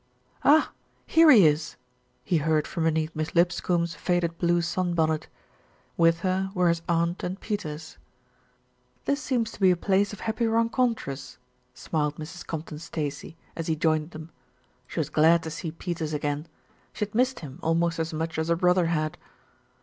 "Ah ! here he is," he heard from beneath Miss Lip scombe's faded blue sunbonnet. With her were his aunt and Peters. 334 THE RETURN OF ALFRED "This seems to be a place of happy rencontres," smiled Mrs. Compton Stacey, as he joined them. She was glad to see Peters again. She had missed him almost as much as her brother had.